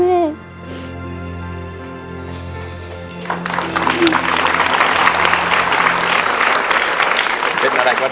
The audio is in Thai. ไม่อยากเป็นไรครับอยากช่วยแม่